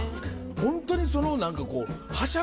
ホントにその何か。